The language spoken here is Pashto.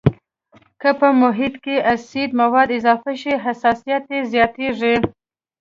که په محیط کې اسیدي مواد اضافه شي حساسیت یې زیاتیږي.